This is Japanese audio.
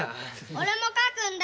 俺も書くんだ。